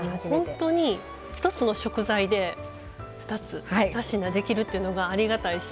ほんとに１つの食材で２つ２品できるっていうのがありがたいし。